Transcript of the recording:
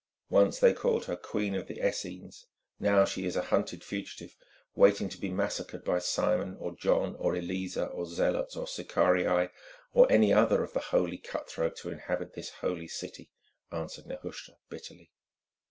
"Once they called her Queen of the Essenes; now she is a hunted fugitive, waiting to be massacred by Simon, or John, or Eleazer, or Zealots, or Sicarii, or any other of the holy cut throats who inhabit this Holy City," answered Nehushta bitterly.